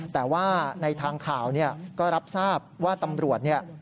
แต่ว่าในทางข่าวเนี่ยก็รับทราบว่าตำรวจเนี่ย